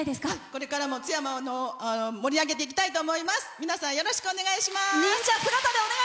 これからも津山を盛り上げていきたいと思います。